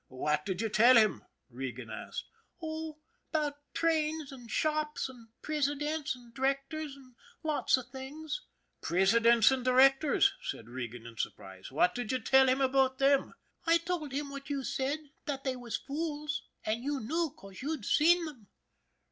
" What did you tell him? " Regan asked. " Oh, 'bout trains and shops and presidents and directors and and lots of things." " Presidents and directors !" said Regan, in sur prise. " What did you tell him about them? "" I told him what you said that they was fools, and you knew, 'cause you'd seen them."